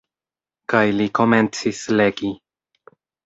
Kaj li komencis legi.